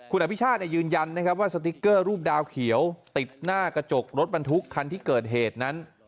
คุณอภิชาติยืนยันนะครับว่าสติ๊กเกอร์รูปดาวเขียวติดหน้ากระจกรถบรรทุกคันที่เกิดเหตุนั้น